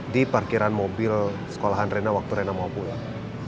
di parkiran mobil sekolahan rena waktu rena mau pulang